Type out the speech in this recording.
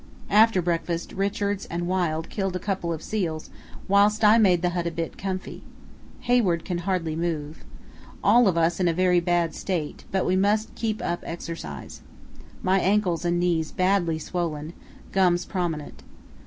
After breakfast Richards and Wild killed a couple of seals whilst I made the hut a bit comfy. Hayward can hardly move. All of us in a very bad state, but we must keep up exercise. My ankles and knees badly swollen, gums prominent.